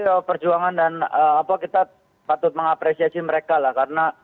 ya perjuangan dan kita patut mengapresiasi mereka lah karena